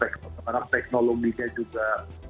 karena teknologinya juga